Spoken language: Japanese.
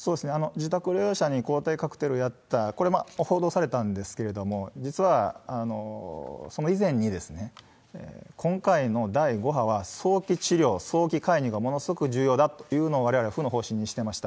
自宅療養者に抗体カクテルをやった、これ、報道されたんですけれども、実はその以前に、今回の第５波は早期治療、早期介入がものすごく重要だっていうのは、われわれは府の方針にしてました。